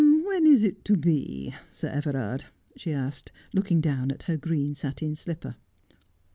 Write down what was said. ' When is it to be, Sir Everard V she asked, looking. down at her green satin slipper.